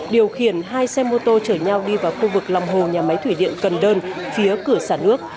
điều khiển hai xe mô tô chở nhau đi vào khu vực lòng hồ nhà máy thủy điện cần đơn phía cửa sản nước